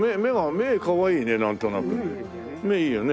目いいよね。